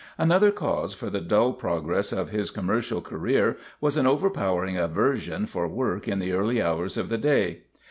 Another cause for the dull progress of his com mercial career was an overpowering aversion for work in the early hours of the day.